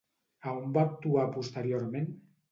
A on va actuar posteriorment?